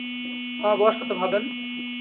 আমার বয়স কত ভাবেন?